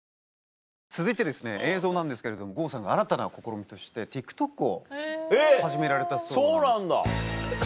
続いて映像なんですけれども郷さんが新たな試みとしてＴｉｋＴｏｋを始められたそうなんです。